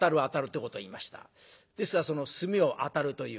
ですからその「墨を当たる」という。